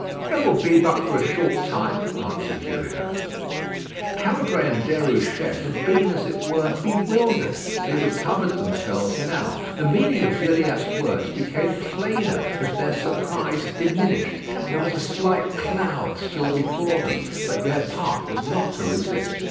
"It will be but for a short time," answered Gilliatt. Caudray and Déruchette had been, as it were, bewildered. They recovered themselves now. The meaning of Gilliatt's words became plainer as their surprise diminished. There was a slight cloud still before them; but their part was not to resist.